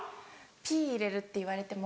ピ入れるって言われても。